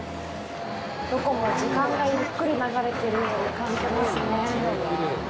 どこも時間がゆっくり流れてるように感じますね。